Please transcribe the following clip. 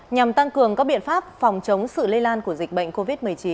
nhằm tăng cường các biện pháp phòng chống sự lây lan của dịch bệnh covid một mươi chín